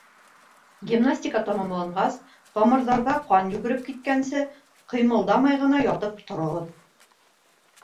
Гиманстика тамамланғас, тамырҙарҙа ҡан йүгереп киткәнсе ҡыймылдамай ғына ятып тороғоҙ.